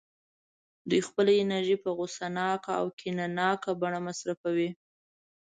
دوی خپله انرژي په غوسه ناکه او کینه ناکه بڼه مصرفوي